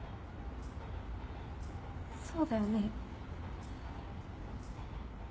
そうだよね？